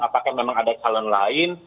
apakah memang ada calon lain